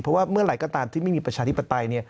เพราะว่าเมื่อไหร่ก็ตามที่ไม่มีประชาธิปไตย